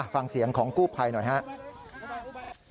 ฟังเสียงของกู้ภัยหน่อยครับ